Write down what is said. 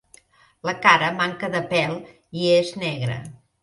La cara manca de pèl i és negra.